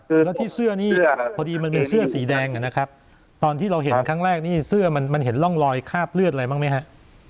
แล้วที่เสื้อนี่พอดีมันมีเสื้อสีแดงนะครับตอนที่เราเห็นครั้งแรกนี่เสื้อมันมันเห็นร่องรอยคาบเลือดอะไรบ้างไหมฮะ